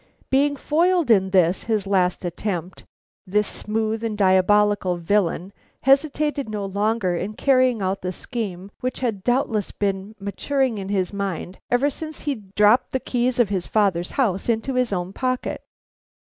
"Being foiled in this his last attempt, this smooth and diabolical villain hesitated no longer in carrying out the scheme which had doubtless been maturing in his mind ever since he dropped the key of his father's house into his own pocket.